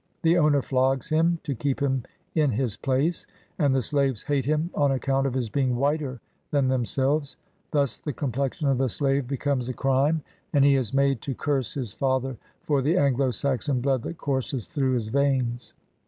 The owner flogs him to keep him " in his place," and the slaves hate him on account of his being whiter than themselves, Thus the complexion of the slave becomes a crime, AN AMERICAN BONDMAN. 11 and he is made to curse his father for the Anglo Saxon blood that courses through his veins.